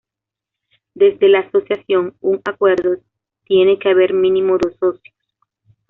Desde la asociación, un ‘acuerdo’ tiene que haber mínimo dos socios.